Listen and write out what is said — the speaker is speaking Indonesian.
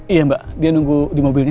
iya mbak dia nunggu di mobilnya